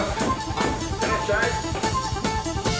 あっいってらっしゃい。